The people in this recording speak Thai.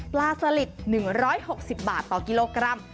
ปลาสลิด๑๖๐บาทต่อกิโลกรัม